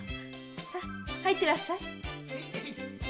さあ入ってらっしゃい。